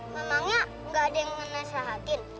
memangnya enggak ada yang menasihatin